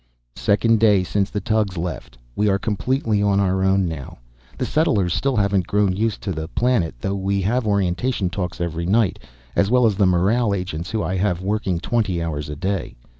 _... Second day since the tugs left, we are completely on our own now. The settlers still haven't grown used to this planet, though we have orientation talks every night. As well as the morale agents who I have working twenty hours a day.